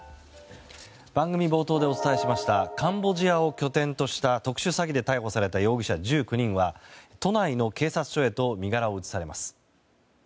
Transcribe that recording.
番組冒頭でお伝えしましたカンボジアを拠点とした特殊詐欺で逮捕された容疑者１９人は都内の警察署へと身柄を移されます。